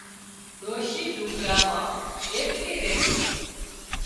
ڏوشي زونپڙا مان ايڪلي ريتي